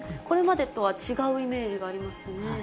これまでとは違うイメージがありますね。